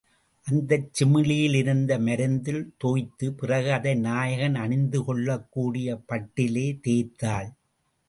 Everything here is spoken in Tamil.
அதைச் சிமிழிலிருந்த மருந்தில் தோய்த்து பிறகு அதை நாயகன் அணிந்துகொள்ளக் கூடிய பட்டிலே தேய்த்தாள்.